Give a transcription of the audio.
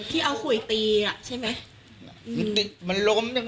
ที่เอาขุยตีอ่ะใช่ไหม